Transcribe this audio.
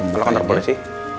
kalau gak polisi